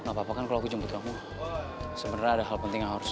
apa apa kan kalau aku jemput kamu sebenarnya hal penting harus